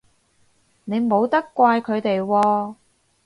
你冇得怪佢哋喎